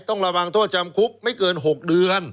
ต้องระวังโทษจำคุกไม่เกิน๖เดือน